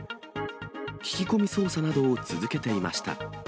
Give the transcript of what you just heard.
聞き込み捜査などを続けていました。